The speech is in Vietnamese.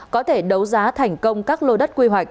có thể đấu giá thành công các lô đề